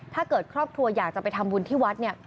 ถ้าเกิดครอบครัวอยากจะไปทำบุญที่วัดเนี่ย